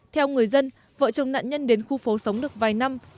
theo người dân vợ chồng nạn nhân đến khu phố sống được vài năm